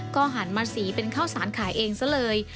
ก็หันมาสีเป็นข้าวสารขายเองซะเลย